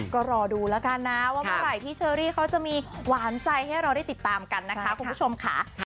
ก็รอดูแล้วกันนะว่าเมื่อไหร่พี่เชอรี่เขาจะมีหวานใจให้เราได้ติดตามกันนะคะคุณผู้ชมค่ะ